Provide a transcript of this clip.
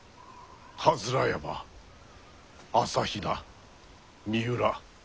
山朝比奈三浦